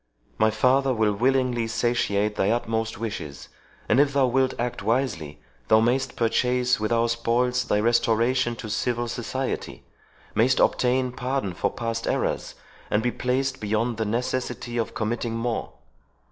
My father will willingly satiate thy utmost wishes; and if thou wilt act wisely, thou mayst purchase with our spoils thy restoration to civil society—mayst obtain pardon for past errors, and be placed beyond the necessity of committing more."